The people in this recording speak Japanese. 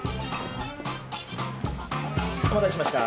お待たせしました。